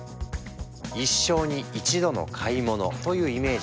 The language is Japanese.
一生に一度の買い物というイメージがある家。